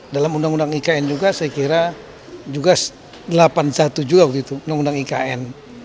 dalam undang undang ikn juga saya kira juga delapan puluh satu juga begitu undang undang ikn